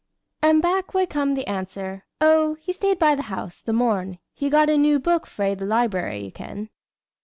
And back would come the answer: "Oh, he stayed by the house, the morn. He got a new book frae the library, ye ken."